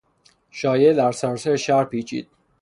شایعه در سراسر شهر پیچید.